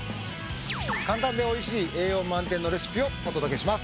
簡単で美味しい栄養満点のレシピをお届けします。